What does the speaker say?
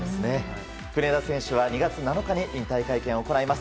国枝選手は２月７日に引退会見を行います。